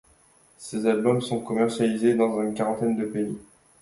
Ses albums sont commercialisés dans une quarantaine de pays.